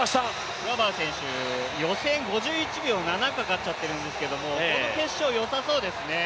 クラバー選手予選５１秒７０かかっちゃってるんですけどこの決勝、良さそうですね。